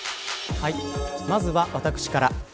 まずは私から。